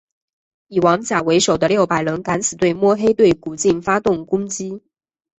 以王甲为首的六百人敢死队摸黑对古晋发动攻击。